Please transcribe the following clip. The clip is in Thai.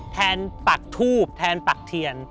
แทนปากทูบแทนปากเทียน